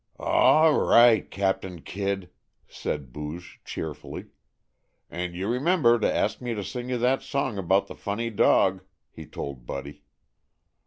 "All right, Captain Kidd," said Booge cheerfully. "And you remember to ask me to sing you that song about the funny dog," he told Buddy.